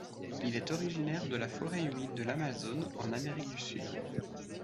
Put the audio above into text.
Il est originaire de la forêt humide de l'Amazone, en Amérique du Sud.